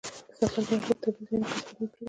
د سفر پر مهال په طبیعي ځایونو کې کثافات مه پرېږده.